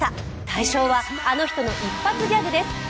大賞はあの人の一発ギャグです。